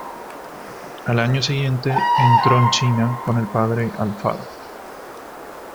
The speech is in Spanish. Al año siguiente entró en China con el padre Alfaro.